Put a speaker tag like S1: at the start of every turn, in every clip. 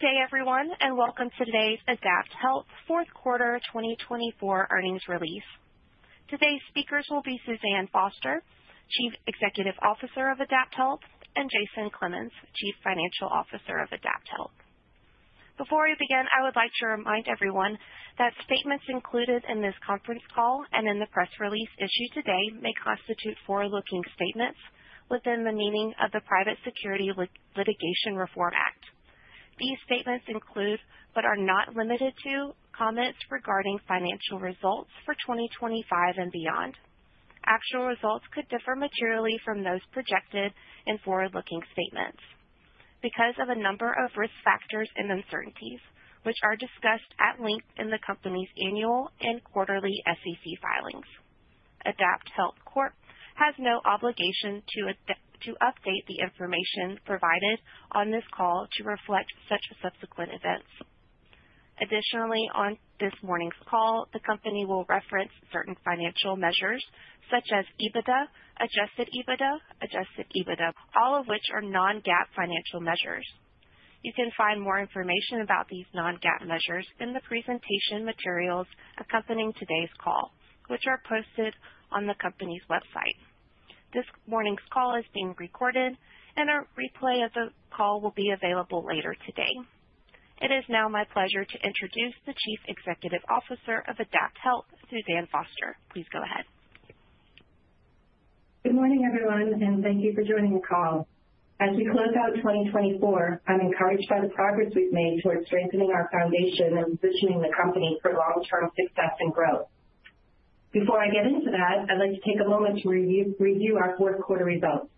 S1: Good day, everyone, and welcome to today's AdaptHealth Corp Fourth Quarter 2024 Earnings Release. Today's speakers will be Suzanne Foster, Chief Executive Officer of AdaptHealth, and Jason Clemens, Chief Financial Officer of AdaptHealth. Before we begin, I would like to remind everyone that statements included in this conference call and in the press release issued today may constitute forward-looking statements within the meaning of the Private Securities Litigation Reform Act. These statements include, but are not limited to, comments regarding financial results for 2025 and beyond. Actual results could differ materially from those projected in forward-looking statements because of a number of risk factors and uncertainties, which are discussed at length in the company's annual and quarterly SEC filings. AdaptHealth Corp has no obligation to update the information provided on this call to reflect such subsequent events. Additionally, on this morning's call, the company will reference certain financial measures such as EBITDA, adjusted EBITDA, adjusted EBITDA, all of which are non-GAAP financial measures. You can find more information about these non-GAAP measures in the presentation materials accompanying today's call, which are posted on the company's website. This morning's call is being recorded, and a replay of the call will be available later today. It is now my pleasure to introduce the Chief Executive Officer of AdaptHealth, Suzanne Foster. Please go ahead.
S2: Good morning, everyone, and thank you for joining the call. As we close out 2024, I'm encouraged by the progress we've made towards strengthening our foundation and positioning the company for long-term success and growth. Before I get into that, I'd like to take a moment to review our fourth quarter results.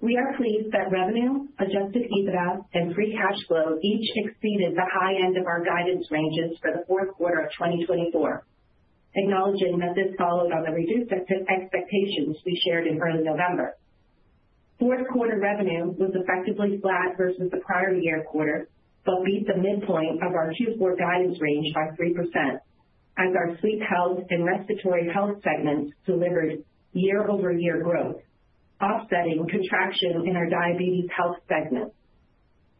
S2: We are pleased that revenue, Adjusted EBITDA, and free cash flow each exceeded the high end of our guidance ranges for the fourth quarter of 2024, acknowledging that this followed on the reduced expectations we shared in early November. Fourth quarter revenue was effectively flat versus the prior year quarter, but beat the midpoint of our Q4 guidance range by 3%, as our Sleep Health and Respiratory Health segments delivered year-over-year growth, offsetting contraction in our Diabetes Health segments.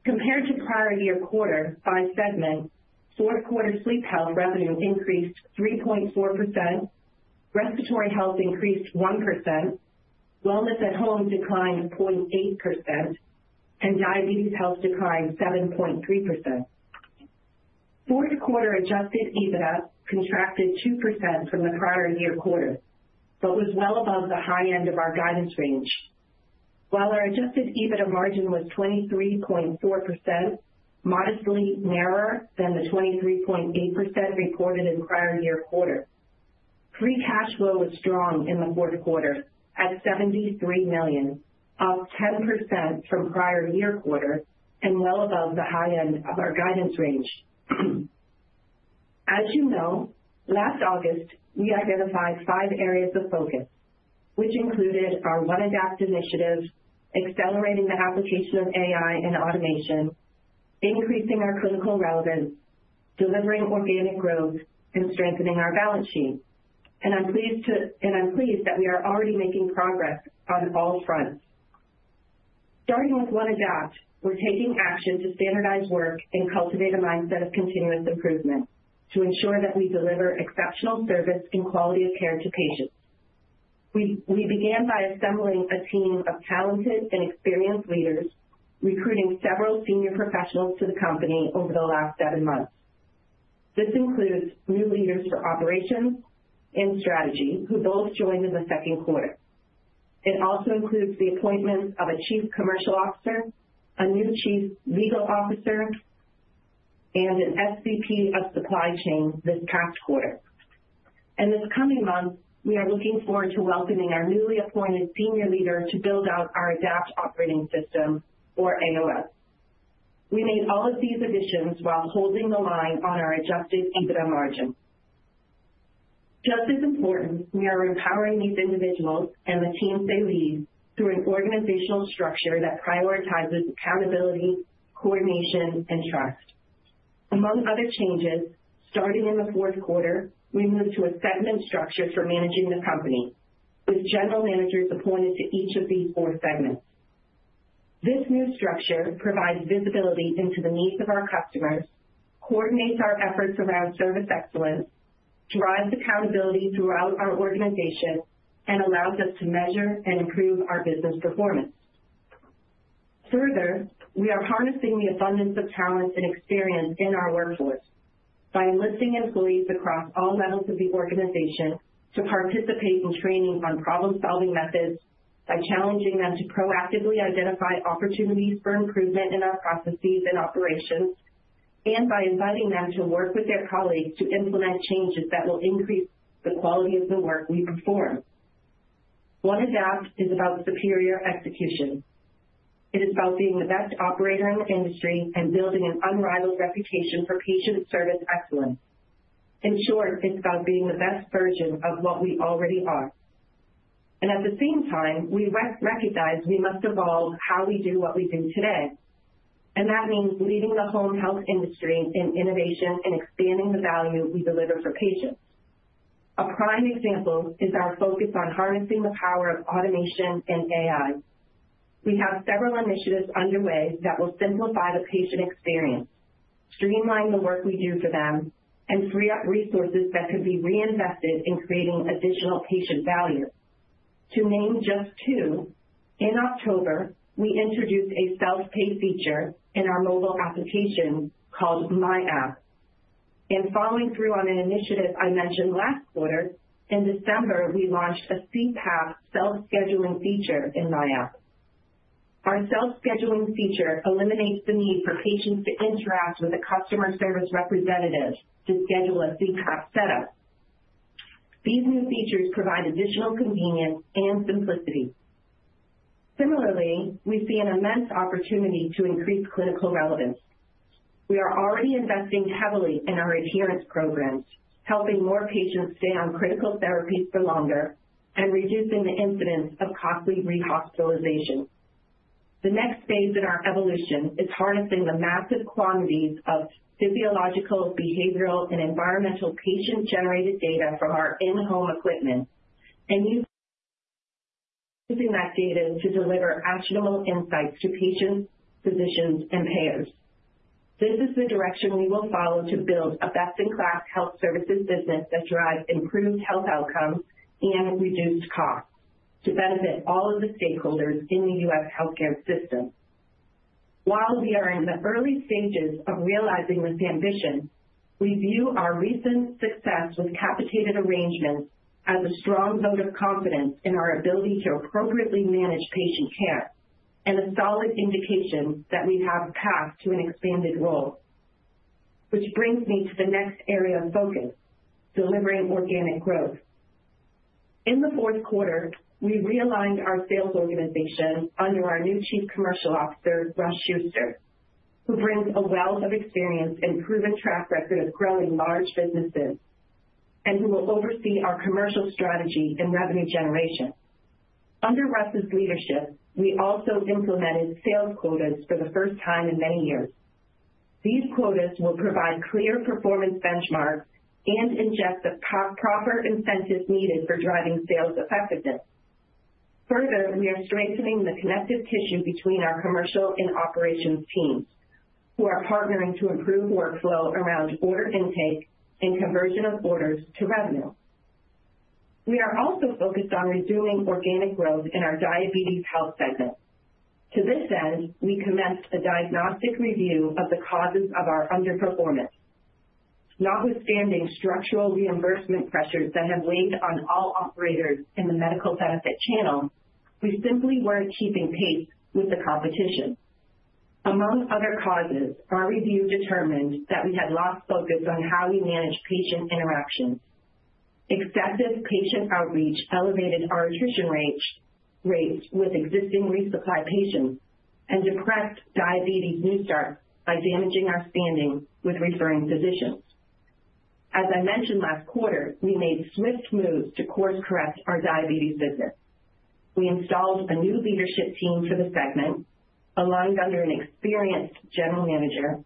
S2: Compared to prior year quarter by segment, fourth quarter Sleep Health revenue increased 3.4%, Respiratory Health increased 1%, Wellness at Home declined 0.8%, and Diabetes Health declined 7.3%. Fourth quarter Adjusted EBITDA contracted 2% from the prior year quarter, but was well above the high end of our guidance range. While our Adjusted EBITDA margin was 23.4%, modestly narrower than the 23.8% reported in prior year quarter, free cash flow was strong in the fourth quarter at $73 million, up 10% from prior year quarter, and well above the high end of our guidance range. As you know, last August, we identified five areas of focus, which included our One Adapt initiative, accelerating the application of AI and automation, increasing our clinical relevance, delivering organic growth, and strengthening our balance sheet, and I'm pleased that we are already making progress on all fronts. Starting with One Adapt, we're taking action to standardize work and cultivate a mindset of continuous improvement to ensure that we deliver exceptional service and quality of care to patients. We began by assembling a team of talented and experienced leaders, recruiting several senior professionals to the company over the last seven months. This includes new leaders for operations and strategy, who both joined in the second quarter. It also includes the appointment of a Chief Commercial Officer, a new Chief Legal Officer, and an SVP of Supply Chain this past quarter. In this coming month, we are looking forward to welcoming our newly appointed senior leader to build out our Adapt Operating System, or AOS. We made all of these additions while holding the line on our adjusted EBITDA margin. Just as important, we are empowering these individuals and the teams they lead through an organizational structure that prioritizes accountability, coordination, and trust. Among other changes, starting in the fourth quarter, we moved to a segment structure for managing the company, with general managers appointed to each of these four segments. This new structure provides visibility into the needs of our customers, coordinates our efforts around service excellence, drives accountability throughout our organization, and allows us to measure and improve our business performance. Further, we are harnessing the abundance of talent and experience in our workforce by enlisting employees across all levels of the organization to participate in training on problem-solving methods, by challenging them to proactively identify opportunities for improvement in our processes and operations, and by inviting them to work with their colleagues to implement changes that will increase the quality of the work we perform. One Adapt is about superior execution. It is about being the best operator in the industry and building an unrivaled reputation for patient service excellence. In short, it's about being the best version of what we already are, and at the same time, we recognize we must evolve how we do what we do today, and that means leading the home health industry in innovation and expanding the value we deliver for patients. A prime example is our focus on harnessing the power of automation and AI. We have several initiatives underway that will simplify the patient experience, streamline the work we do for them, and free up resources that could be reinvested in creating additional patient value. To name just two, in October, we introduced a self-pay feature in our mobile application called AdaptHealth App. And following through on an initiative I mentioned last quarter, in December, we launched a CPAP self-scheduling feature in AdaptHealth App. Our self-scheduling feature eliminates the need for patients to interact with a customer service representative to schedule a CPAP setup. These new features provide additional convenience and simplicity. Similarly, we see an immense opportunity to increase clinical relevance. We are already investing heavily in our adherence programs, helping more patients stay on critical therapies for longer and reducing the incidence of costly re-hospitalization. The next phase in our evolution is harnessing the massive quantities of physiological, behavioral, and environmental patient-generated data from our in-home equipment and using that data to deliver actionable insights to patients, physicians, and payers. This is the direction we will follow to build a best-in-class health services business that drives improved health outcomes and reduced costs to benefit all of the stakeholders in the U.S. Healthcare system. While we are in the early stages of realizing this ambition, we view our recent success with capitated arrangements as a strong vote of confidence in our ability to appropriately manage patient care and a solid indication that we have path to an expanded role, which brings me to the next area of focus, delivering organic growth. In the fourth quarter, we realigned our sales organization under our new Chief Commercial Officer, Russ Schuster, who brings a wealth of experience and proven track record of growing large businesses and who will oversee our commercial strategy and revenue generation. Under Russ's leadership, we also implemented sales quotas for the first time in many years. These quotas will provide clear performance benchmarks and inject the proper incentives needed for driving sales effectiveness. Further, we are strengthening the connective tissue between our commercial and operations teams, who are partnering to improve workflow around order intake and conversion of orders to revenue. We are also focused on resuming organic growth in our Diabetes Health segment. To this end, we commenced a diagnostic review of the causes of our underperformance. Notwithstanding structural reimbursement pressures that have weighed on all operators in the medical benefit channel, we simply weren't keeping pace with the competition. Among other causes, our review determined that we had lost focus on how we manage patient interactions. Excessive patient outreach elevated our attrition rates with existing resupply patients and depressed diabetes new starts by damaging our standing with referring physicians. As I mentioned last quarter, we made swift moves to course-correct our diabetes business. We installed a new leadership team for the segment, aligned under an experienced general manager,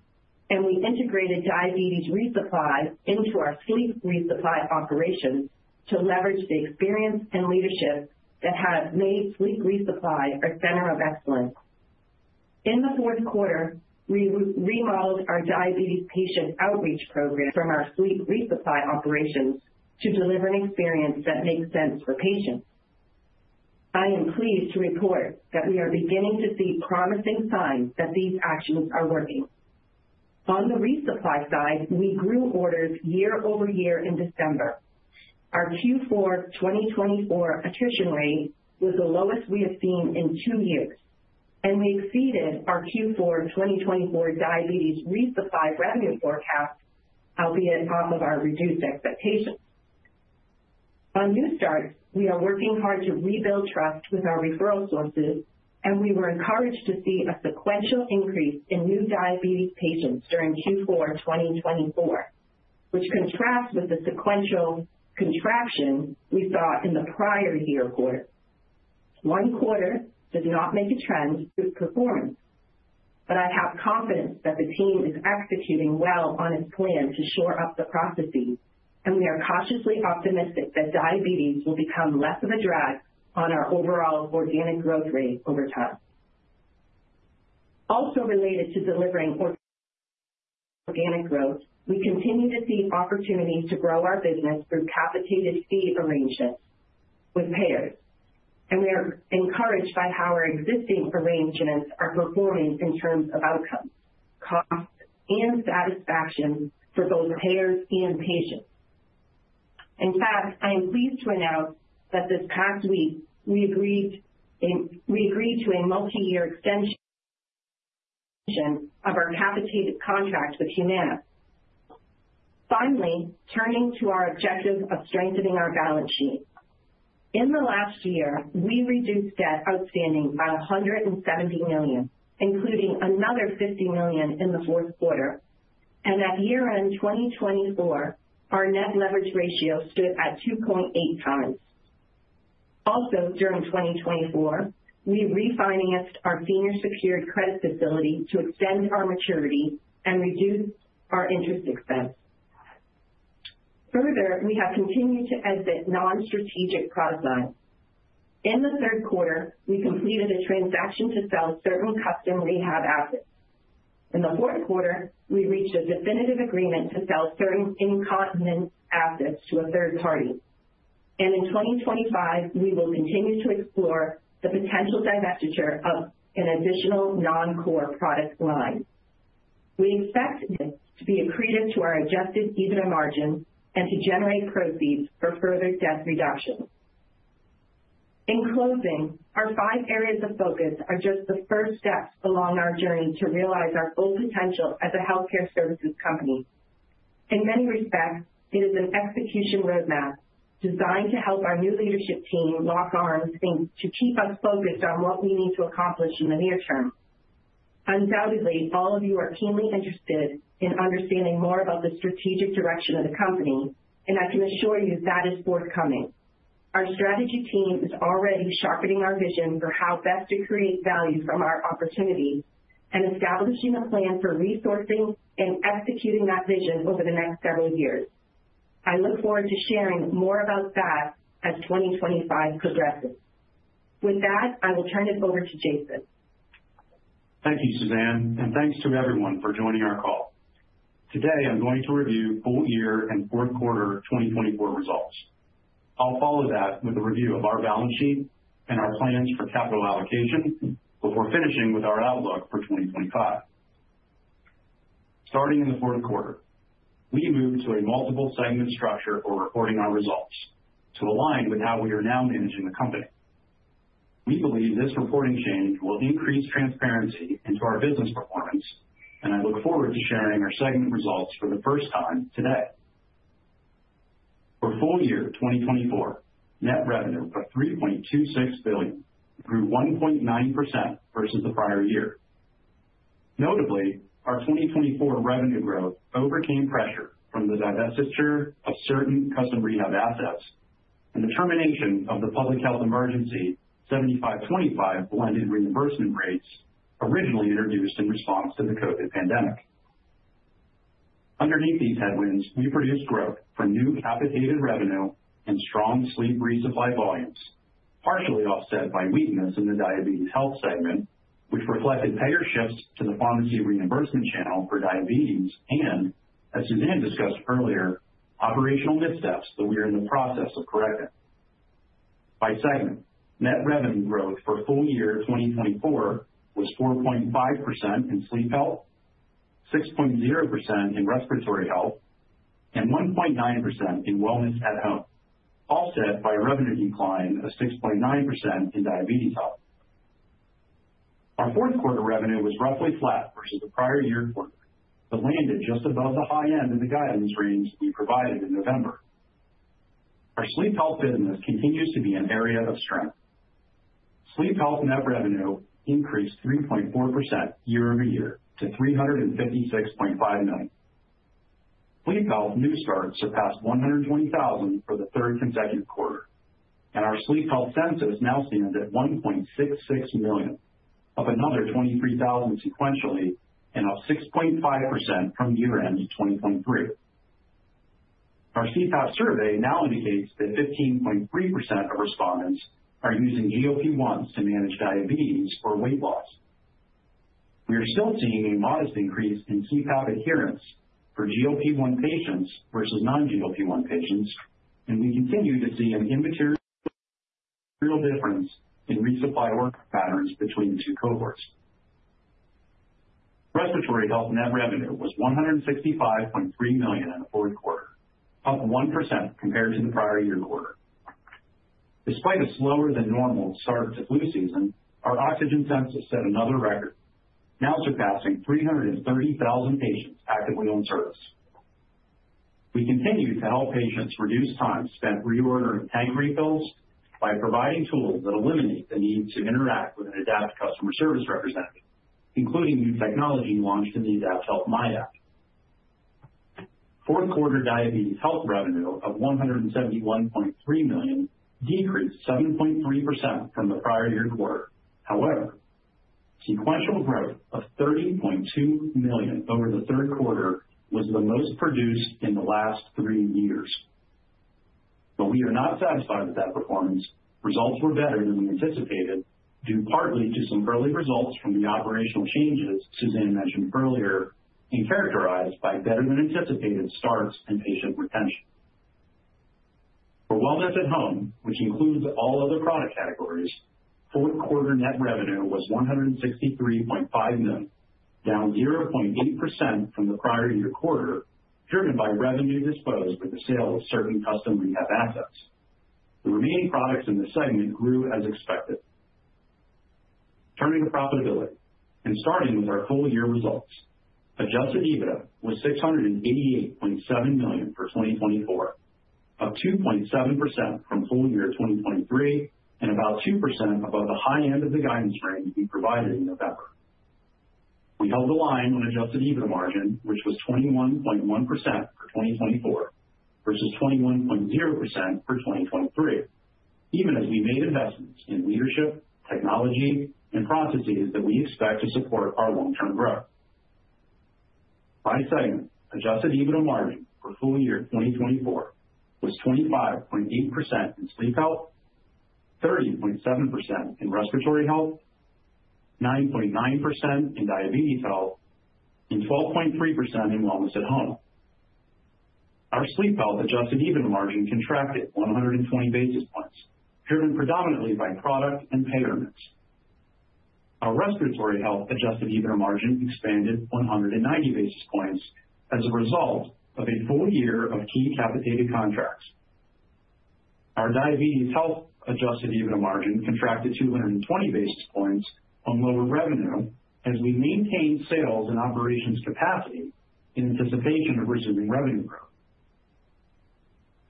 S2: and we integrated diabetes resupply into our sleep resupply operations to leverage the experience and leadership that have made sleep resupply a center of excellence. In the fourth quarter, we remodeled our diabetes patient outreach program from our sleep resupply operations to deliver an experience that makes sense for patients. I am pleased to report that we are beginning to see promising signs that these actions are working. On the resupply side, we grew orders year-over-year in December. Our Q4 2024 attrition rate was the lowest we have seen in two years, and we exceeded our Q4 2024 diabetes resupply revenue forecast, albeit off of our reduced expectations. On new starts, we are working hard to rebuild trust with our referral sources, and we were encouraged to see a sequential increase in new diabetes patients during Q4 2024, which contrasts with the sequential contraction we saw in the prior year quarter. One quarter did not make a trend. Good performance. But I have confidence that the team is executing well on its plan to shore up the processes, and we are cautiously optimistic that diabetes will become less of a drag on our overall organic growth rate over time. Also related to delivering organic growth, we continue to see opportunities to grow our business through capitated fee arrangements with payers. And we are encouraged by how our existing arrangements are performing in terms of outcome, cost, and satisfaction for both payers and patients. In fact, I am pleased to announce that this past week, we agreed to a multi-year extension of our capitated contract with Humana. Finally, turning to our objective of strengthening our balance sheet. In the last year, we reduced debt outstanding by $170 million, including another $50 million in the fourth quarter, and at year-end 2024, our net leverage ratio stood at 2.8x. Also, during 2024, we refinanced our senior secured credit facility to extend our maturity and reduce our interest expense. Further, we have continued to exit non-strategic prospects. In the third quarter, we completed a transaction to sell certain custom rehab assets. In the fourth quarter, we reached a definitive agreement to sell certain incontinence assets to a third party, and in 2025, we will continue to explore the potential divestiture of an additional non-core product line. We expect this to be accretive to our Adjusted EBITDA margin and to generate proceeds for further debt reduction. In closing, our five areas of focus are just the first steps along our journey to realize our full potential as a healthcare services company. In many respects, it is an execution roadmap designed to help our new leadership team lock arms to keep us focused on what we need to accomplish in the near term. Undoubtedly, all of you are keenly interested in understanding more about the strategic direction of the company, and I can assure you that is forthcoming. Our strategy team is already sharpening our vision for how best to create value from our opportunities and establishing a plan for resourcing and executing that vision over the next several years. I look forward to sharing more about that as 2025 progresses. With that, I will turn it over to Jason.
S3: Thank you, Suzanne. And thanks to everyone for joining our call. Today, I'm going to review full year and fourth quarter 2024 results. I'll follow that with a review of our balance sheet and our plans for capital allocation before finishing with our outlook for 2025. Starting in the fourth quarter, we moved to a multiple segment structure for reporting our results to align with how we are now managing the company. We believe this reporting change will increase transparency into our business performance, and I look forward to sharing our segment results for the first time today. For full year 2024, net revenue of $3.26 billion grew 1.9% versus the prior year. Notably, our 2024 revenue growth overcame pressure from the divestiture of certain custom rehab assets and the termination of the public health emergency 75/25 blended reimbursement rates originally introduced in response to the COVID pandemic. Underneath these headwinds, we produced growth from new capitated revenue and strong sleep resupply volumes, partially offset by weakness in the diabetes health segment, which reflected payer shifts to the pharmacy reimbursement channel for diabetes and, as Suzanne discussed earlier, operational missteps that we are in the process of correcting. By segment, net revenue growth for full year 2024 was 4.5% in sleep health, 6.0% in respiratory health, and 1.9% in wellness at home, offset by a revenue decline of 6.9% in diabetes health. Our fourth quarter revenue was roughly flat versus the prior year quarter, but landed just above the high end of the guidance range we provided in November. Our sleep health business continues to be an area of strength. Sleep health net revenue increased 3.4% year-over-year to $356.5 million. Sleep health new starts surpassed 120,000 for the third consecutive quarter, and our sleep health census now stands at 1.66 million of another 23,000 sequentially and up 6.5% from year-end 2023. Our CPAP survey now indicates that 15.3% of respondents are using GLP-1s to manage diabetes or weight loss. We are still seeing a modest increase in CPAP adherence for GLP-1 patients versus non-GLP-1 patients, and we continue to see an immaterial difference in resupply work patterns between the two cohorts. Respiratory health net revenue was $165.3 million in the fourth quarter, up 1% compared to the prior year quarter. Despite a slower than normal start to flu season, our oxygen census set another record, now surpassing 330,000 patients actively on service. We continue to help patients reduce time spent reordering tank refills by providing tools that eliminate the need to interact with an AdaptHealth customer service representative, including new technology launched in the AdaptHealth App. Fourth quarter diabetes health revenue of $171.3 million decreased 7.3% from the prior year quarter. However, sequential growth of $30.2 million over the third quarter was the most robust in the last three years. But we are not satisfied with that performance. Results were better than we anticipated, due partly to some early results from the operational changes Suzanne mentioned earlier and characterized by better than anticipated starts and patient retention. For wellness at home, which includes all other product categories, fourth quarter net revenue was $163.5 million, down 0.8% from the prior year quarter, driven by revenue displaced with the sale of certain custom rehab assets. The remaining products in this segment grew as expected. Turning to profitability and starting with our full year results, Adjusted EBITDA was $688.7 million for 2024, up 2.7% from full year 2023 and about 2% above the high end of the guidance range we provided in November. We held the line on Adjusted EBITDA margin, which was 21.1% for 2024 versus 21.0% for 2023, even as we made investments in leadership, technology, and processes that we expect to support our long-term growth. By segment, Adjusted EBITDA margin for full year 2024 was 25.8% in sleep health, 30.7% in respiratory health, 9.9% in diabetes health, and 12.3% in wellness at home. Our sleep health Adjusted EBITDA margin contracted 120 basis points, driven predominantly by product and payer mix. Our respiratory health Adjusted EBITDA margin expanded 190 basis points as a result of a full year of key capitated contracts. Our diabetes health Adjusted EBITDA margin contracted 220 basis points on lower revenue as we maintained sales and operations capacity in anticipation of resuming revenue growth.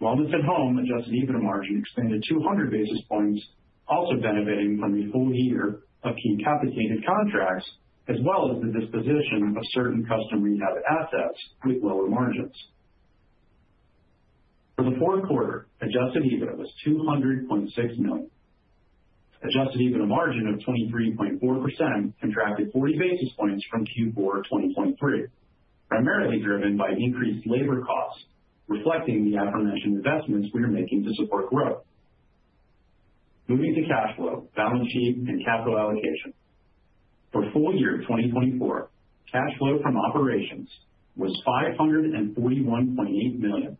S3: Wellness at home Adjusted EBITDA margin expanded 200 basis points, also benefiting from the full year of key capitated contracts, as well as the disposition of certain custom rehab assets with lower margins. For the fourth quarter, Adjusted EBITDA was $200.6 million. Adjusted EBITDA margin of 23.4% contracted 40 basis points from Q4 2023, primarily driven by increased labor costs, reflecting the aforementioned investments we are making to support growth. Moving to cash flow, balance sheet, and capital allocation. For full year 2024, cash flow from operations was $541.8 million,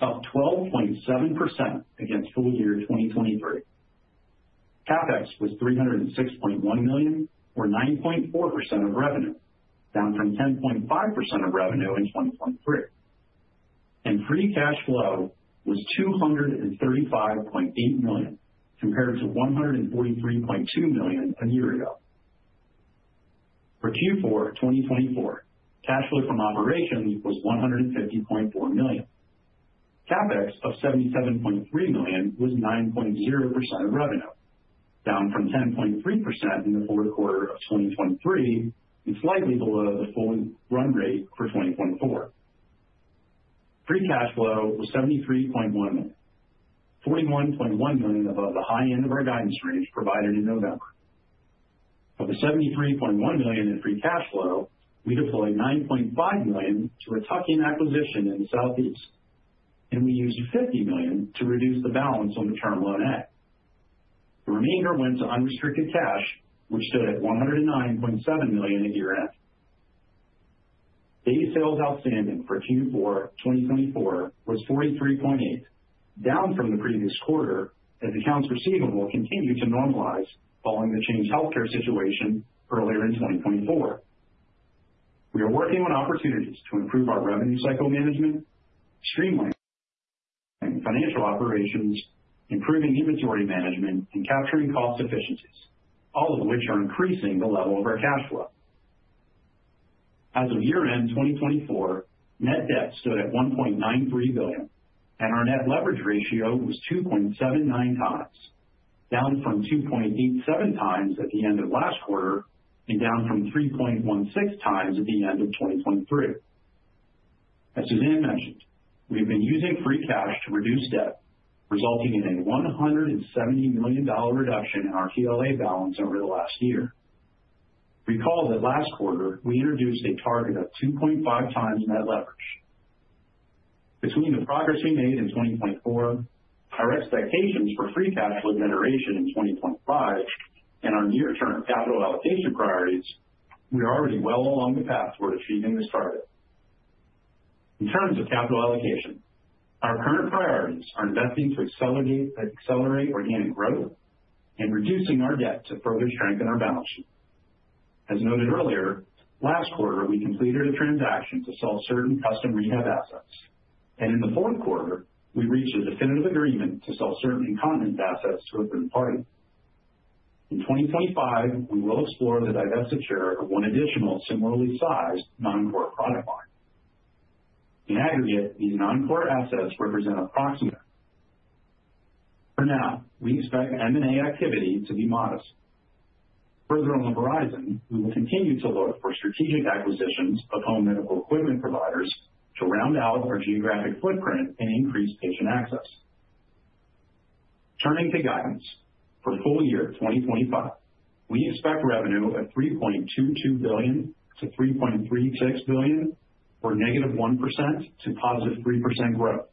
S3: up 12.7% against full year 2023. CapEx was $306.1 million, or 9.4% of revenue, down from 10.5% of revenue in 2023. Free cash flow was $235.8 million, compared to $143.2 million a year ago. For Q4 2024, cash flow from operations was $150.4 million. CapEx of $77.3 million was 9.0% of revenue, down from 10.3% in the fourth quarter of 2023 and slightly below the full run rate for 2024. Free cash flow was $73.1 million, $41.1 million above the high end of our guidance range provided in November. Of the $73.1 million in free cash flow, we deployed $9.5 million to a tuck-in acquisition in the Southeast, and we used $50 million to reduce the balance on the Term Loan A. The remainder went to unrestricted cash, which stood at $109.7 million at year-end. Days sales outstanding for Q4 2024 was 43.8, down from the previous quarter as accounts receivable continued to normalize following the Change Healthcare situation earlier in 2024. We are working on opportunities to improve our revenue cycle management, streamlining financial operations, improving inventory management, and capturing cost efficiencies, all of which are increasing the level of our cash flow. As of year-end 2024, net debt stood at $1.93 billion, and our net leverage ratio was 2.79x, down from 2.87x at the end of last quarter and down from 3.16 times at the end of 2023. As Suzanne mentioned, we've been using free cash to reduce debt, resulting in a $170 million reduction in our ABL balance over the last year. Recall that last quarter, we introduced a target of 2.5 times net leverage. Between the progress we made in 2024, our expectations for free cash flow generation in 2025, and our near-term capital allocation priorities, we are already well along the path toward achieving this target. In terms of capital allocation, our current priorities are investing to accelerate organic growth and reducing our debt to further strengthen our balance sheet. As noted earlier, last quarter, we completed a transaction to sell certain custom rehab assets, and in the fourth quarter, we reached a definitive agreement to sell certain incontinence assets to a third party. In 2025, we will explore the divestiture of one additional similarly sized non-core product line. In aggregate, these non-core assets represent approximate. For now, we expect M&A activity to be modest. Further on the horizon, we will continue to look for strategic acquisitions of home medical equipment providers to round out our geographic footprint and increase patient access. Turning to guidance for full year 2025, we expect revenue of $3.22 billion-$3.36 billion, or negative 1% to positive 3% growth.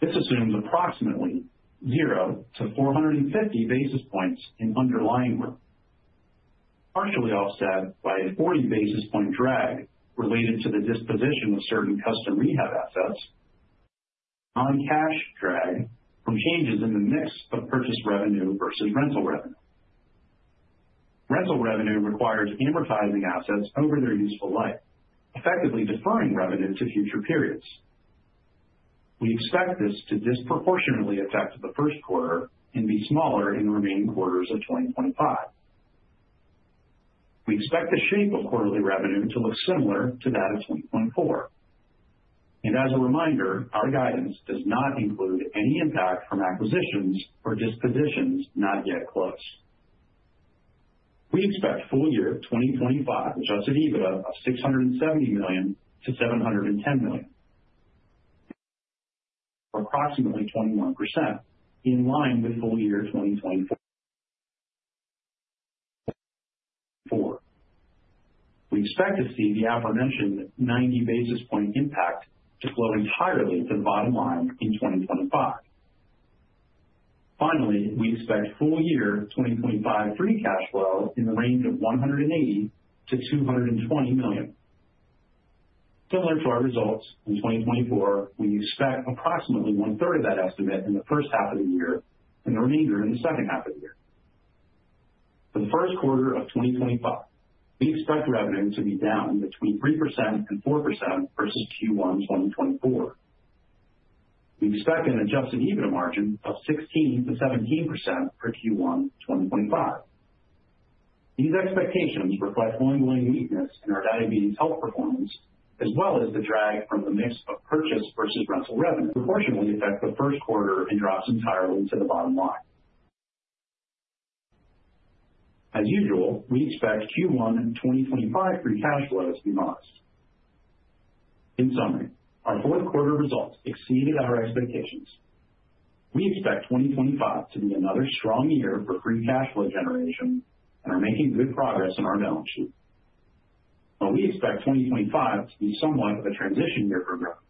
S3: This assumes approximately 0 to 450 basis points in underlying growth, partially offset by a 40 basis point drag related to the disposition of certain custom rehab assets, non-cash drag from changes in the mix of purchase revenue versus rental revenue. Rental revenue requires amortizing assets over their useful life, effectively deferring revenue to future periods. We expect this to disproportionately affect the first quarter and be smaller in the remaining quarters of 2025. We expect the shape of quarterly revenue to look similar to that of 2024. And as a reminder, our guidance does not include any impact from acquisitions or dispositions not yet closed. We expect full year 2025 Adjusted EBITDA of $670 million-$710 million, approximately 21% in line with full year 2024. We expect to see the aforementioned 90 basis point impact to flow entirely to the bottom line in 2025. Finally, we expect full year 2025 free cash flow in the range of $180 million-$220 million. Similar to our results in 2024, we expect approximately one-third of that estimate in the first half of the year and the remainder in the second half of the year. For the first quarter of 2025, we expect revenue to be down between 3% and 4% versus Q1 2024. We expect an Adjusted EBITDA margin of 16%-17% for Q1 2025. These expectations reflect ongoing weakness in our diabetes health performance, as well as the drag from the mix of purchase versus rental revenue. Proportionately affect the first quarter and drops entirely to the bottom line. As usual, we expect Q1 2025 free cash flow to be modest. In summary, our fourth quarter results exceeded our expectations. We expect 2025 to be another strong year for free cash flow generation and are making good progress on our balance sheet. While we expect 2025 to be somewhat of a transition year for growth,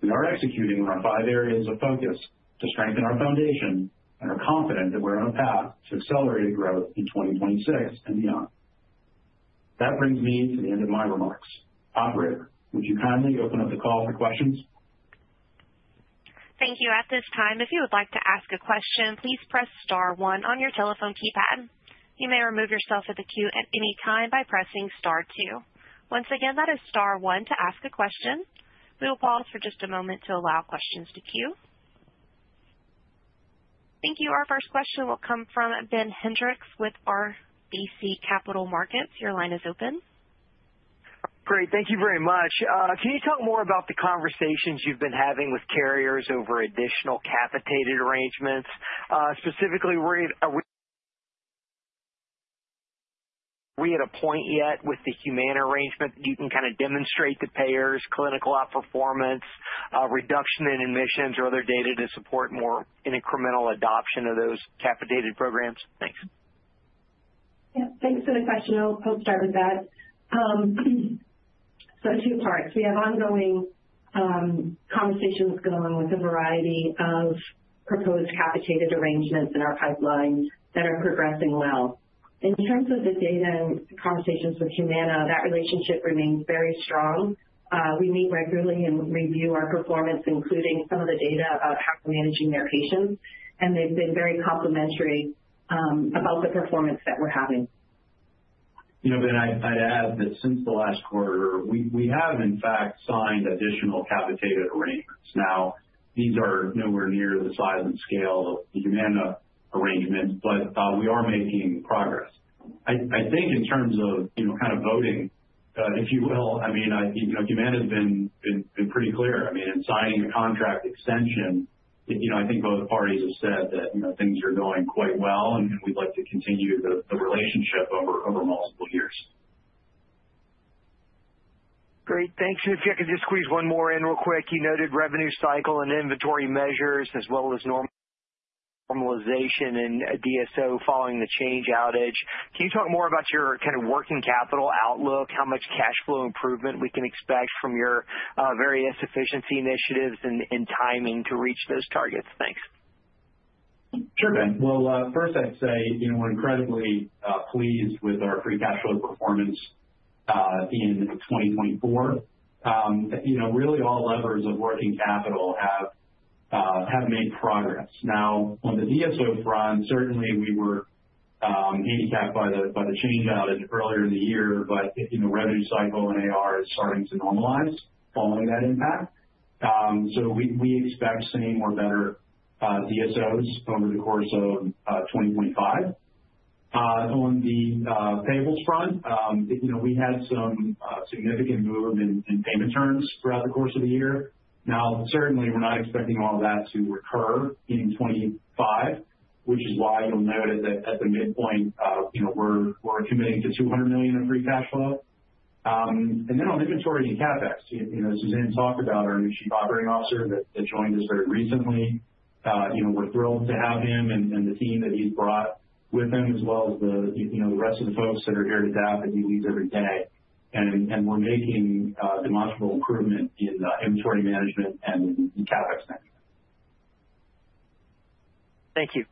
S3: we are executing on our five areas of focus to strengthen our foundation and are confident that we're on a path to accelerated growth in 2026 and beyond. That brings me to the end of my remarks. Operator, would you kindly open up the call for questions?
S1: Thank you. At this time, if you would like to ask a question, please press Star 1 on your telephone keypad. You may remove yourself from the queue at any time by pressing Star 2. Once again, that is Star 1 to ask a question. We will pause for just a moment to allow questions to queue. Thank you. Our first question will come from Ben Hendrix with RBC Capital Markets. Your line is open.
S4: Great. Thank you very much. Can you talk more about the conversations you've been having with carriers over additional capitated arrangements? Specifically, are we at a point yet with the Humana arrangement that you can kind of demonstrate to payers clinical outperformance, reduction in admissions, or other data to support more incremental adoption of those capitated programs? Thanks. Yeah.
S2: Thanks for the question. I'll start with that. So two parts. We have ongoing conversations going with a variety of proposed capitated arrangements in our pipeline that are progressing well. In terms of the data and conversations with Humana, that relationship remains very strong. We meet regularly and review our performance, including some of the data about how we're managing their patients, and they've been very complimentary about the performance that we're having.
S3: You know, Ben, I'd add that since the last quarter, we have, in fact, signed additional capitated arrangements. Now, these are nowhere near the size and scale of the Humana arrangements, but we are making progress. I think in terms of kind of voting, if you will, I mean, Humana has been pretty clear. I mean, in signing a contract extension, I think both parties have said that things are going quite well, and we'd like to continue the relationship over multiple years.
S4: Great. Thanks. If you could just squeeze one more in real quick. You noted revenue cycle and inventory measures, as well as normalization and DSO following the Change outage. Can you talk more about your kind of working capital outlook, how much cash flow improvement we can expect from your various efficiency initiatives and timing to reach those targets? Thanks. Sure, Ben.
S3: First, I'd say we're incredibly pleased with our free cash flow performance in 2024. Really, all levers of working capital have made progress. Now, on the DSO front, certainly we were handicapped by the Change Healthcare outage earlier in the year, but revenue cycle and AR is starting to normalize following that impact. So we expect some more better DSOs over the course of 2025. On the payables front, we had some significant move in payment terms throughout the course of the year. Now, certainly, we're not expecting all that to recur in 2025, which is why you'll notice that at the midpoint, we're committing to $200 million in free cash flow. Then on inventory and CapEx, Suzanne talked about our new Chief Operating Officer that joined us very recently. We're thrilled to have him and the team that he's brought with him, as well as the rest of the folks that are here to man these meetings every day, and we're making demonstrable improvement in inventory management and in the CapEx management. Thank you.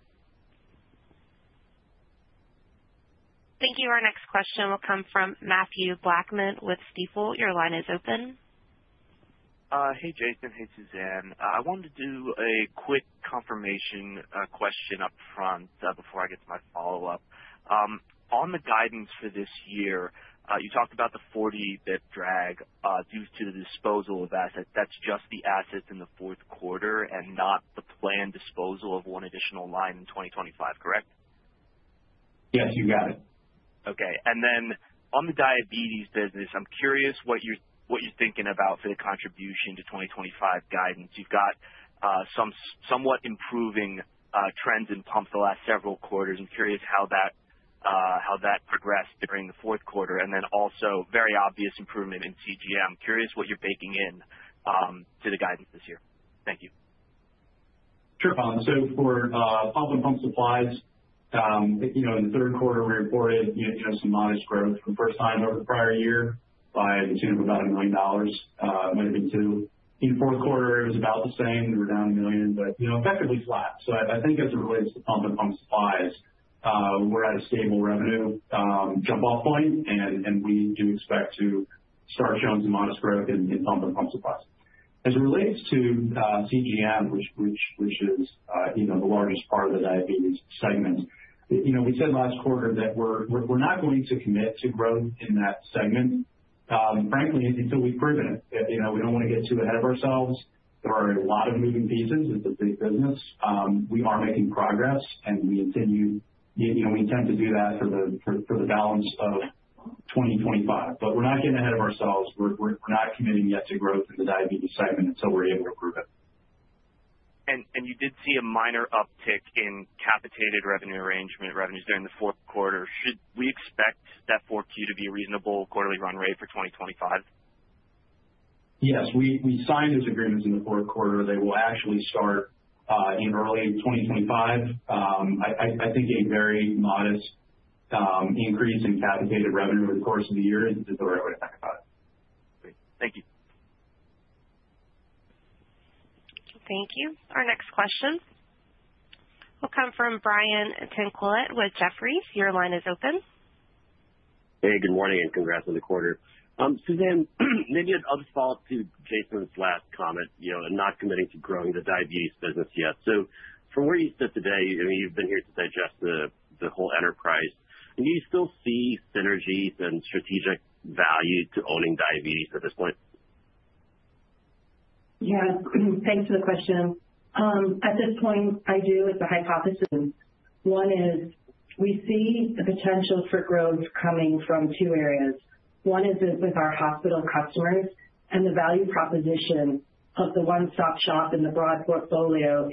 S1: Thank you. Our next question will come from Mathew Blackman with Stifel. Your line is open.
S5: Hey, Jason. Hey, Suzanne. I wanted to do a quick confirmation question up front before I get to my follow-up. On the guidance for this year, you talked about the 40 that drag due to the disposal of assets. That's just the assets in the fourth quarter and not the planned disposal of one additional line in 2025, correct?
S3: Yes, you got it.
S5: Okay. And then on the diabetes business, I'm curious what you're thinking about for the contribution to 2025 guidance. You've got some somewhat improving trends in pumps the last several quarters. I'm curious how that progressed during the fourth quarter, and then also very obvious improvement in CGM. Curious what you're baking into the guidance this year. Thank you.
S3: Sure, so for pump and pump supplies, in the third quarter, we reported some modest growth year-over-year over the prior year to the tune of about $1 million. It might have been $2 million. In the fourth quarter, it was about the same. We were down $1 million, but effectively flat. So I think as it relates to pump and pump supplies, we're at a stable revenue jump-off point, and we do expect to start showing some modest growth in pump and pump supplies. As it relates to CGM, which is the largest part of the diabetes segment, we said last quarter that we're not going to commit to growth in that segment, frankly, until we've proven it. We don't want to get too ahead of ourselves. There are a lot of moving pieces. It's a big business. We are making progress, and we intend to do that for the balance of 2025. But we're not getting ahead of ourselves. We're not committing yet to growth in the diabetes segment until we're able to prove it.
S5: And you did see a minor uptick in capitated revenue arrangement revenues during the fourth quarter. Should we expect that for Q to be a reasonable quarterly run rate for 2025?
S3: Yes. We signed those agreements in the fourth quarter. They will actually start in early 2025. I think a very modest increase in capitated revenue over the course of the year is the way I would have thought it.
S1: Great. Thank you. Thank you. Our next question will come from Brian Tanquilut with Jefferies. Your line is open.
S6: Hey, good morning and congrats on the quarter. Suzanne, maybe another follow-up to Jason's last comment, not committing to growing the diabetes business yet. So from where you sit today, you've been here to digest the whole enterprise. Do you still see synergies and strategic value to owning diabetes at this point?
S2: Yes. Thanks for the question. At this point, I do with the hypothesis. One is we see the potential for growth coming from two areas. One is with our hospital customers, and the value proposition of the one-stop shop and the broad portfolio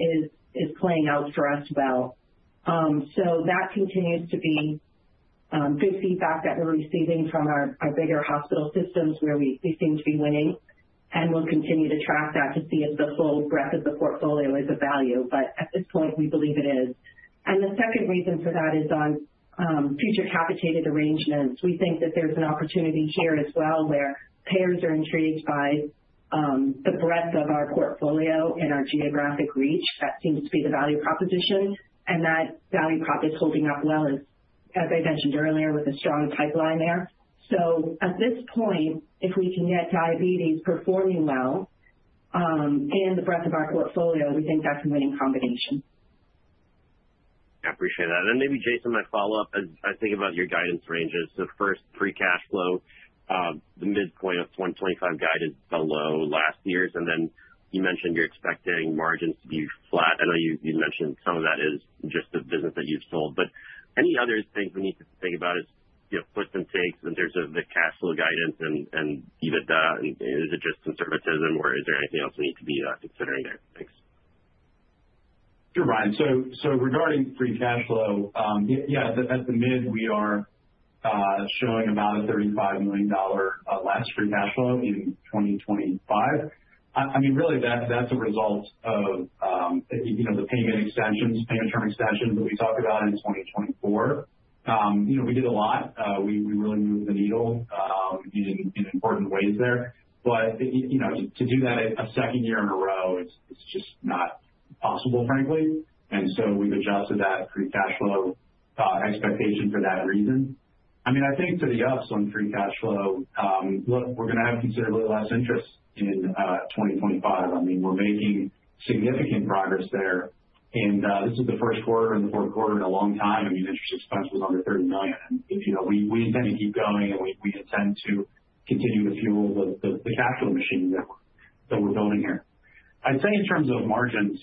S2: is playing out for us well. So that continues to be good feedback that we're receiving from our bigger hospital systems where we seem to be winning, and we'll continue to track that to see if the full breadth of the portfolio is of value. But at this point, we believe it is. And the second reason for that is on future capitated arrangements. We think that there's an opportunity here as well where payers are intrigued by the breadth of our portfolio and our geographic reach. That seems to be the value proposition, and that value prop is holding up well, as I mentioned earlier, with a strong pipeline there. So at this point, if we can get diabetes performing well and the breadth of our portfolio, we think that's a winning combination.
S6: I appreciate that. And maybe, Jason, my follow-up, I think about your guidance ranges. So first, free cash flow, the midpoint of 2025 guidance below last year's, and then you mentioned you're expecting margins to be flat. I know you mentioned some of that is just the business that you've sold. But any other things we need to think about is puts and takes in terms of the cash flow guidance and EBITDA. Is it just conservatism, or is there anything else we need to beconsidering there? Thanks.
S3: Sure. Ryan, so regarding free cash flow, yeah, at the midpoint we are showing about a $35 million less free cash flow in 2025. I mean, really, that's a result of the payment extensions, payment term extensions that we talked about in 2024. We did a lot. We really moved the needle in important ways there. But to do that a second year in a row, it's just not possible, frankly. And so we've adjusted that free cash flow expectation for that reason. I mean, I think to the ups on free cash flow, look, we're going to have considerably less interest in 2025. I mean, we're making significant progress there. And this is the first quarter and the fourth quarter in a long time. I mean, interest expense was under $30 million. And we intend to keep going, and we intend to continue to fuel the capital machine that we're building here. I'd say in terms of margins,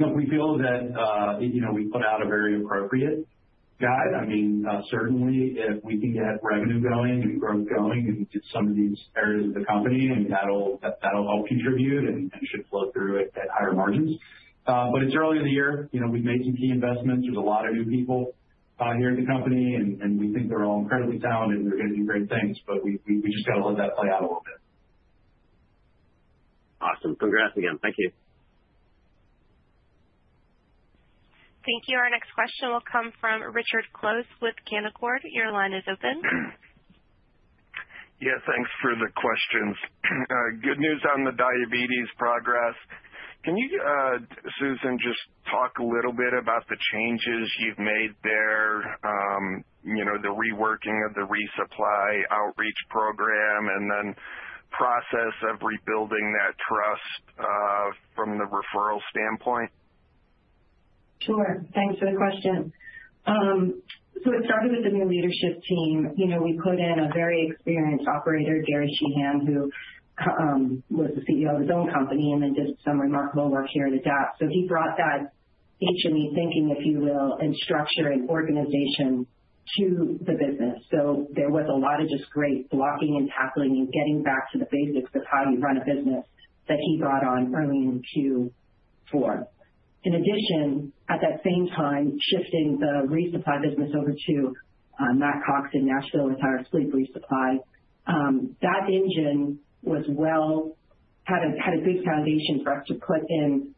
S3: we feel that we put out a very appropriate guide. I mean, certainly, if we can get revenue going and growth going in some of these areas of the company, that'll help contribute and should flow through at higher margins. But it's early in the year. We've made some key investments. There's a lot of new people here at the company, and we think they're all incredibly talented, and they're going to do great things. But we just got to let that play out a little bit.
S6: Awesome. Congrats again. Thank you.
S1: Thank you. Our next question will come from Richard Close with Canaccord. Your line is open.
S7: Yes, thanks for the questions. Good news on the diabetes progress. Can you, Suzanne, just talk a little bit about the changes you've made there, the reworking of the resupply outreach program, and then process of rebuilding that trust from the referral standpoint?
S2: Sure. Thanks for the question. So it started with the new leadership team. We put in a very experienced operator, Gary Sheehan, who was the CEO of his own company and then did some remarkable work here at Adapt. So he brought that HME thinking, if you will, and structure and organization to the business. So there was a lot of just great blocking and tackling and getting back to the basics of how you run a business that he brought on early in Q4. In addition, at that same time, shifting the resupply business over to Matt Cox in Nashville with our sleep resupply, that engine had a good foundation for us to put in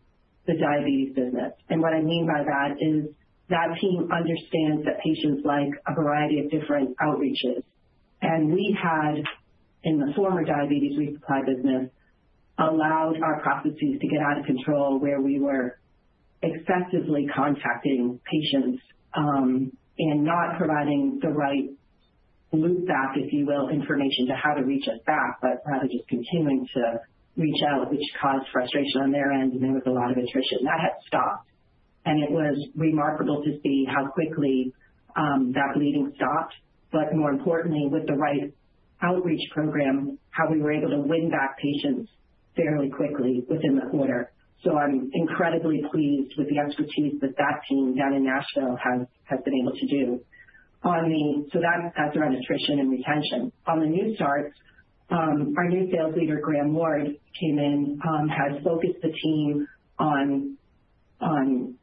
S2: the diabetes business. And what I mean by that is that team understands that patients like a variety of different outreaches. And we had, in the former diabetes resupply business, allowed our processes to get out of control where we were excessively contacting patients and not providing the right loopback, if you will, information to how to reach us back, but rather just continuing to reach out, which caused frustration on their end, and there was a lot of attrition. That had stopped. And it was remarkable to see how quickly that bleeding stopped. But more importantly, with the right outreach program, how we were able to win back patients fairly quickly within the quarter. So I'm incredibly pleased with the expertise that the team down in Nashville has been able to do. So that's around attrition and retention. On the new starts, our new sales leader, Graham Ward, came in, has focused the team on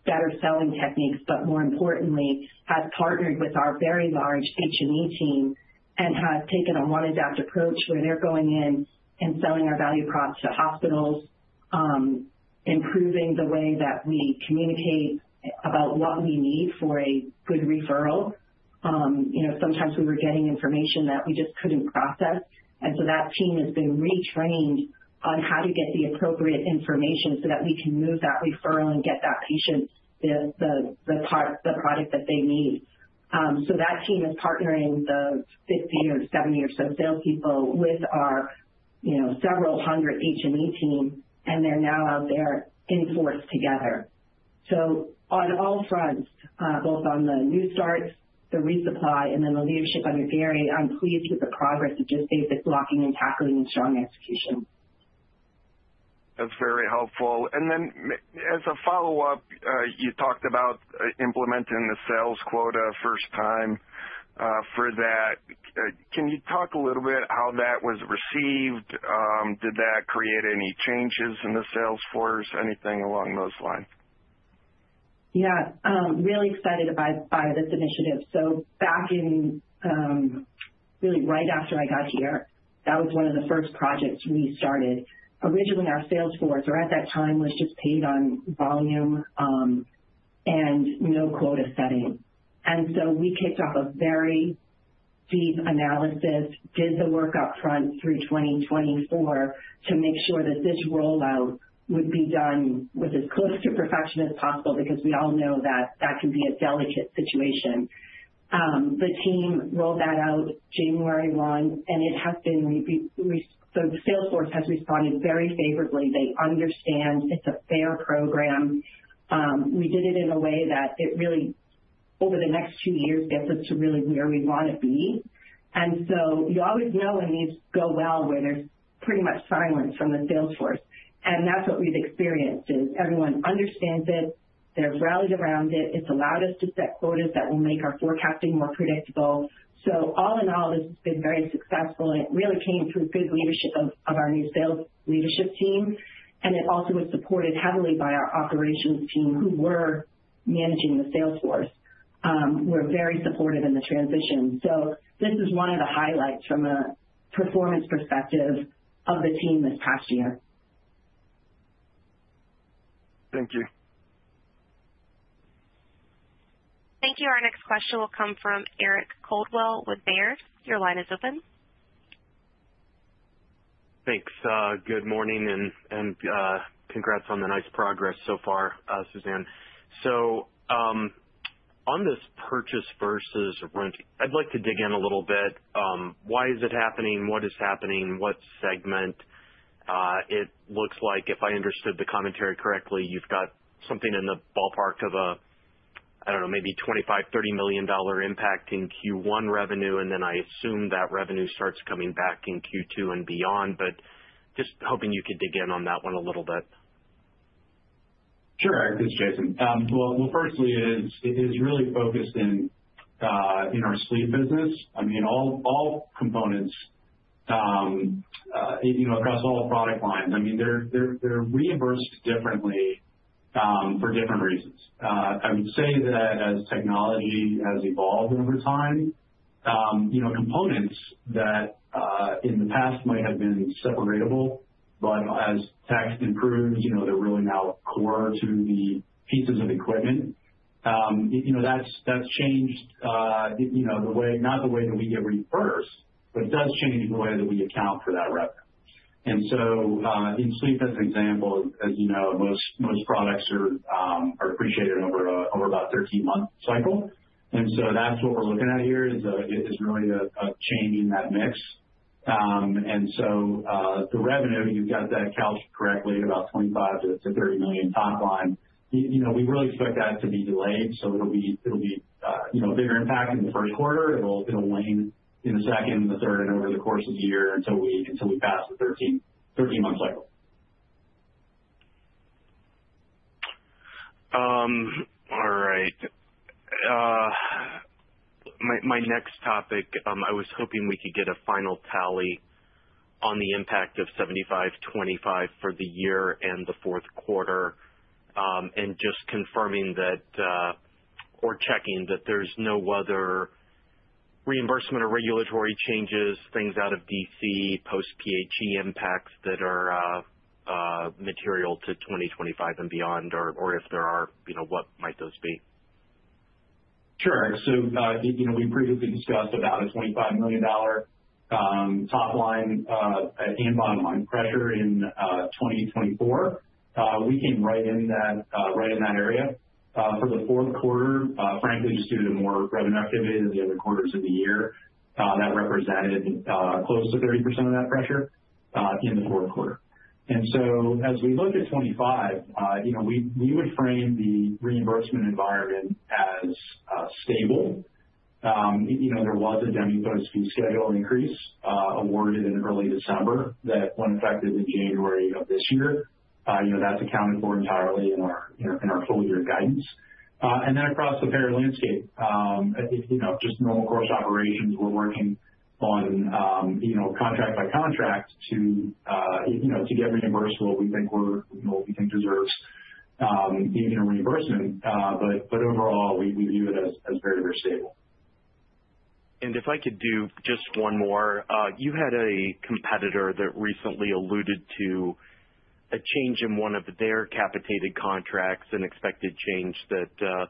S2: better selling techniques, but more importantly, has partnered with our very large HME team and has taken on One Adapt approach where they're going in and selling our value props to hospitals, improving the way that we communicate about what we need for a good referral. Sometimes we were getting information that we just couldn't process, and so that team has been retrained on how to get the appropriate information so that we can move that referral and get that patient the product that they need, so that team is partnering the 50 or 70 or so salespeople with our several hundred HME team, and they're now out there in force together. So on all fronts, both on the new starts, the resupply, and then the leadership under Gary, I'm pleased with the progress of just basic blocking and tackling and strong execution.
S7: That's very helpful. And then as a follow-up, you talked about implementing the sales quota first time for that. Can you talk a little bit how that was received? Did that create any changes in the sales force? Anything along those lines?
S2: Yeah. Really excited by this initiative. So back in really right after I got here, that was one of the first projects we started. Originally, our sales force, or at that time, was just paid on volume and no quota setting. And so we kicked off a very deep analysis, did the work upfront through 2024 to make sure that this rollout would be done with as close to perfection as possible because we all know that that can be a delicate situation. The team rolled that out January 1, and the sales force has responded very favorably. They understand it's a fair program. We did it in a way that it really, over the next two years, gets us to really where we want to be. And so you always know when things go well, there's pretty much silence from the sales force. And that's what we've experienced is everyone understands it. They've rallied around it. It's allowed us to set quotas that will make our forecasting more predictable. So all in all, this has been very successful, and it really came through good leadership of our new sales leadership team. And it also was supported heavily by our operations team who were managing the sales force. We're very supportive in the transition. So this is one of the highlights from a performance perspective of the team this past year.
S7: Thank you.
S1: Thank you. Our next question will come from Eric Coldwell with Baird. Your line is open.
S8: Thanks. Good morning and congrats on the nice progress so far, Suzanne. So on this purchase versus rent, I'd like to dig in a little bit. Why is it happening? What is happening? What segment? It looks like, if I understood the commentary correctly, you've got something in the ballpark of a, I don't know, maybe $25-$30 million impact in Q1 revenue, and then I assume that revenue starts coming back in Q2 and beyond. But just hoping you could dig in on that one a little bit.
S3: Sure. This is Jason. Well, firstly, it is really focused in our sleep business. I mean, all components across all product lines. I mean, they're reimbursed differently for different reasons. I would say that as technology has evolved over time, components that in the past might have been separable, but as tech improves, they're really now core to the pieces of equipment. That's changed the way, not the way that we get reimbursed, but it does change the way that we account for that revenue. In sleep, as an example, as you know, most products are depreciated over about a 13-month cycle. That's what we're looking at here is really a change in that mix. The revenue, you've got that calculated correctly, about $25-$30 million top line. We really expect that to be delayed. It'll be a bigger impact in the first quarter. It'll wane in the second, the third, and over the course of the year until we pass the 13-month cycle.
S8: All right. My next topic, I was hoping we could get a final tally on the impact of 75/25 for the year and the fourth quarter, and just confirming that or checking that there's no other reimbursement or regulatory changes, things out of DC, post-PHE impacts that are material to 2025 and beyond, or if there are, what might those be? Sure.
S3: So we previously discussed about a $25 million top line and bottom line pressure in 2024. We came right in that area for the fourth quarter, frankly, just due to more revenue activity than the other quarters of the year. That represented close to 30% of that pressure in the fourth quarter. And so as we look at 25, we would frame the reimbursement environment as stable. There was a DMEPOS schedule increase awarded in early December that went effective in January of this year. That's accounted for entirely in our full-year guidance. And then across the payer landscape, just normal course operations. We're working on contract by contract to get reimbursed for what we think deserves reimbursement. But overall, we view it as very, very stable. If I could do just one more, you had a competitor that recently alluded to a change in one of their capitated contracts and expected change that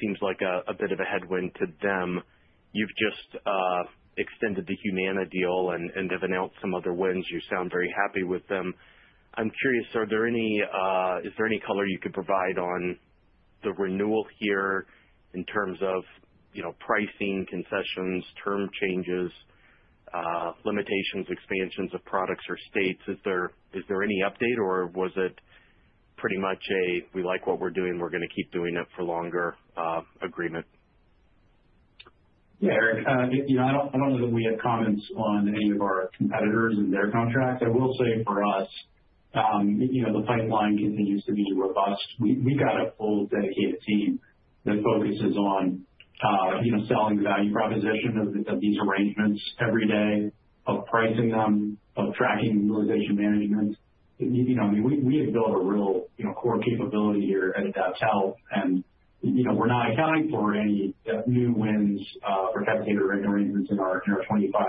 S3: seems like a bit of a headwind to them. You've just extended the Humana deal and have announced some other wins.
S8: You sound very happy with them. I'm curious, is there any color you could provide on the renewal here in terms of pricing, concessions, term changes, limitations, expansions of products or states? Is there any update, or was it pretty much a, "We like what we're doing. We're going to keep doing it for longer" agreement?
S3: Yeah, Eric, I don't know that we have comments on any of our competitors and their contracts. I will say for us, the pipeline continues to be robust. We've got a full dedicated team that focuses on selling the value proposition of these arrangements every day, of pricing them, of tracking utilization management. I mean, we have built a real core capability here at AdaptHealth, and we're not accounting for any new wins for capitated arrangements in our 25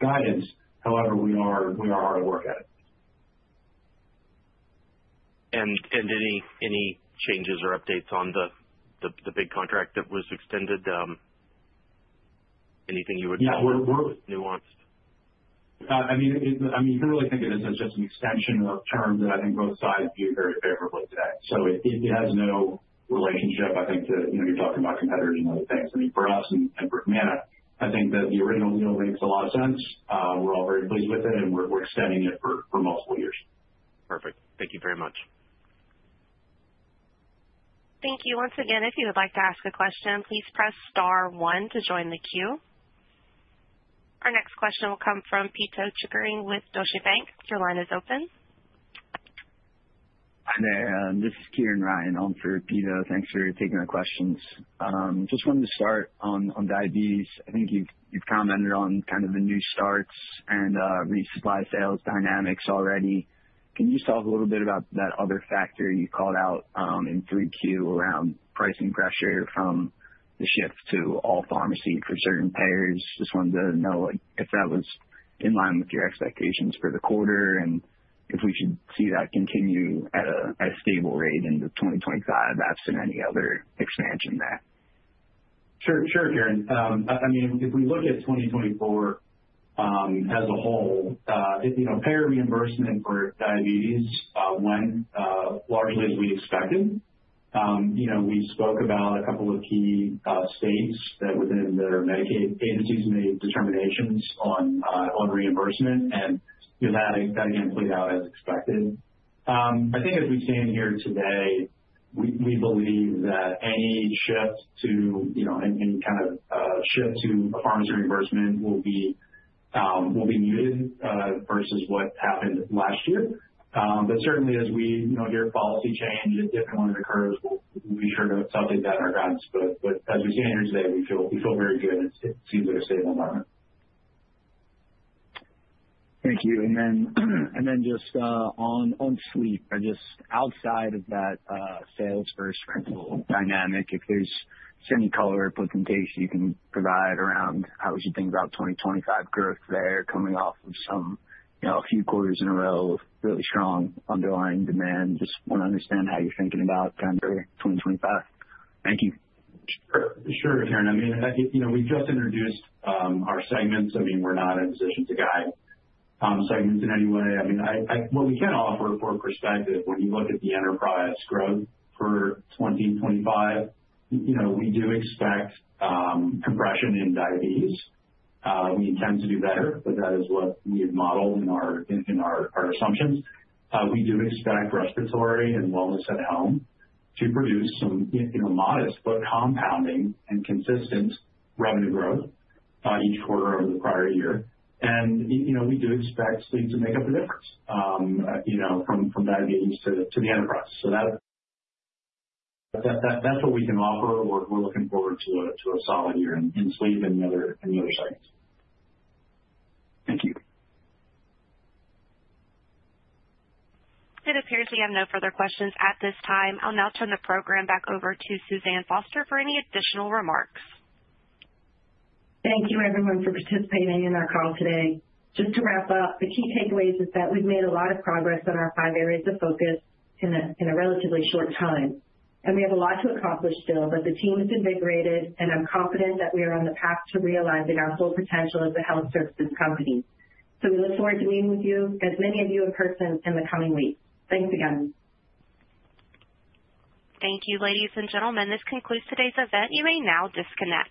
S3: guidance. However, we are hard at work at it.
S8: And any changes or updates on the big contract that was extended? Anything you would call nuanced?
S3: I mean, you can really think of this as just an extension of terms that I think both sides view very favorably today. So it has no relationship, I think, to you're talking about competitors and other things. I mean, for us and for Humana, I think that the original deal makes a lot of sense. We're all very pleased with it, and we're extending it for multiple years. Perfect.
S8: Thank you very much.
S1: Thank you. Once again, if you would like to ask a question, please press star one to join the queue. Our next question will come from Pito Chickering with Deutsche Bank. Your line is open.
S9: Hi, there. This is Kieran Ryan on for Pito. Thanks for taking the questions. Just wanted to start on diabetes. I think you've commented on kind of the new starts and resupply sales dynamics already. Can you talk a little bit about that other factor you called out in 3Q around pricing pressure from the shift to all pharmacy for certain payers? Just wanted to know if that was in line with your expectations for the quarter and if we should see that continue at a stable rate into 2025, absent any other expansion there. Sure, sure, Kieran.
S3: I mean, if we look at 2024 as a whole, payer reimbursement for diabetes went largely as we expected. We spoke about a couple of key states that within their Medicaid agencies made determinations on reimbursement, and that again played out as expected. I think as we stand here today, we believe that any kind of shift to a pharmacy reimbursement will be muted versus what happened last year. But certainly, as we hear policy change, if and when it occurs, we'll be sure to update that in our guidance. But as we stand here today, we feel very good. It seems like a stable environment. Thank you.
S9: And then just on sleep, just outside of that sales orce principal dynamic, if there's any color or presentation you can provide around how would you think about 2025 growth there coming off of a few quarters in a row of really strong underlying demand? Just want to understand how you're thinking about kind of 2025. Thank you.
S3: Sure, Kieran. I mean, we've just introduced our segments. I mean, we're not in a position to guide segments in any way. I mean, what we can offer for perspective, when you look at the enterprise growth for 2025, we do expect compression in diabetes. We intend to do better, but that is what we've modeled in our assumptions. We do expect Respiratory and Wellness at Home to produce some modest but compounding and consistent revenue growth each quarter over the prior year. And we do expect sleep to make up the difference from diabetes to the enterprise. So that's what we can offer. We're looking forward to a solid year in sleep and the other segments. Thank you.
S1: It appears we have no further questions at this time. I'll now turn the program back over to Suzanne Foster for any additional remarks.
S2: Thank you, everyone, for participating in our call today. Just to wrap up, the key takeaways is that we've made a lot of progress on our five areas of focus in a relatively short time. And we have a lot to accomplish still, but the team is invigorated, and I'm confident that we are on the path to realizing our full potential as a health services company. So we look forward to meeting with you, as many of you, in person in the coming weeks. Thanks again.
S1: Thank you, ladies and gentlemen. This concludes today's event. You may now disconnect.